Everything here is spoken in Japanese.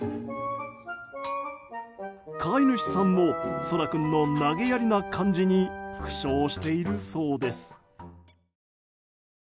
飼い主さんもそら君の投げやりな感じに苦笑しているそうです。